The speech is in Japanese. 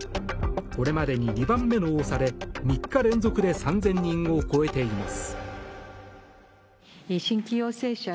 これまでに２番目の多さで３日連続で３０００人を超えています。